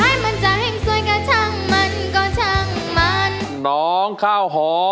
ยังไงก็แม่จะไม่ตาย